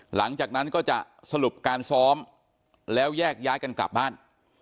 หลังจากนั้นก็จะสรุปการซ้อมแล้วแยกย้ายกันกลับบ้าน